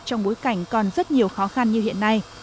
trong bối cảnh còn rất nhiều khó khăn như hiện nay